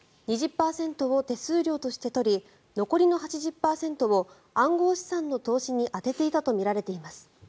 ２０％を手数料として取り残りの８０％を暗号資産の投資に充てていたとみられています。